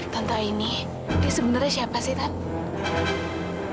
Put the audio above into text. tante aini dia sebenarnya siapa sih tante